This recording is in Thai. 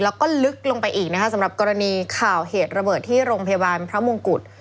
แล้วก็ลึกลงไปอีกนะคะสำหรับกรณีข่าวเหตุระเบิดที่โรงพยาบาลพระมงกุฎ